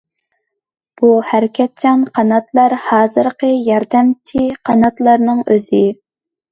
بۇ ھەرىكەتچان قاناتلار ھازىرقى ياردەمچى قاناتلارنىڭ ئۆزى.